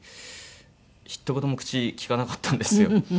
ひと言も口利かなかったんですよ。